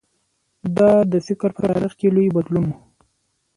دا د فکر په تاریخ کې لوی بدلون و.